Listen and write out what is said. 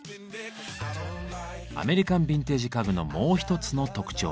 アメリカンビンテージ家具のもう一つの特徴。